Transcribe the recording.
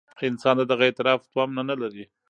انسان د دغه اعتراف تومنه نه لري.